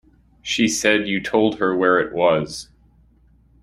She said you told her where it was.